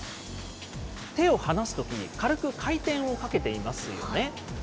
手を離すときに、軽く回転をかけていますよね。